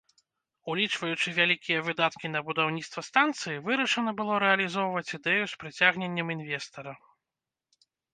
Улічваючы вялікія выдаткі на будаўніцтва станцыі, вырашана было рэалізоўваць ідэю з прыцягненнем інвестара.